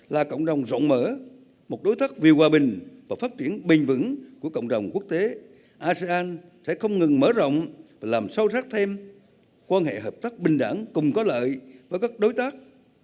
là cộng đồng rộng mở một đối tác vì hòa bình và phát triển bình vững của cộng đồng quốc tế asean sẽ không ngừng mở rộng và làm sâu sắc thêm quan hệ hợp tác bình đẳng cùng có lợi với các đối tác